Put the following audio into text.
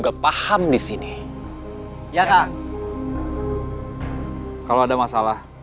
kok dalam remember